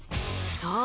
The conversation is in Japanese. そう！